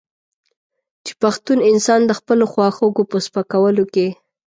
چې پښتون انسان د خپلو خواخوږو په سپکولو کې.